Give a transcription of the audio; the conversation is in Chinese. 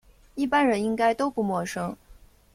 一般人应该都不陌生